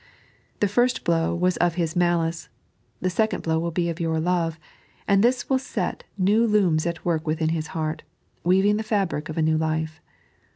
The first blow was of bis malice, the second blow will be of your lore, and this will set new looms at work within bis heart, weaving the fabric of a new life.